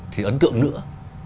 thì ấn tượng nữa